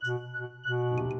ya ya gak